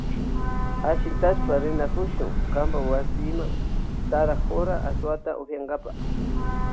Ashintashpa rinakushun kanpa wasima sara jora asuwata upiyankapa.